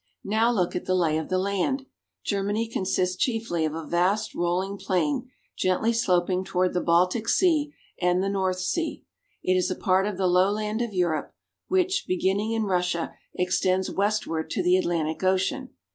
Now look at the lay of the land. Germany consists chiefly of a vast rolling plain gently sloping toward the Baltic Sea and the North Sea. It is a part of the lowland of Europe, which, beginning in Russia, extends westward to the Atlantic Ocean.